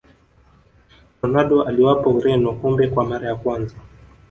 ronaldo aliwapa ureno kombe kwa mara ya kwanza